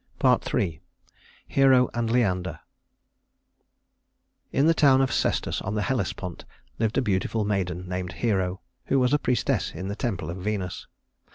III. Hero and Leander In the town of Sestus on the Hellespont lived a beautiful maiden named Hero, who was a priestess in the temple of Venus.